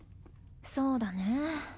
そうだね。